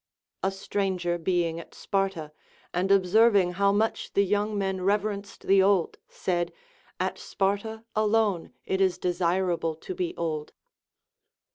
A stranger being at Sparta, and observing how much the young men reverenced the old, said, At Sparta alone it is desirable to be old.